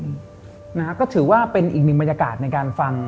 นะฮะก็ถือว่าเป็นอีกหนึ่งบรรยากาศในการฟัง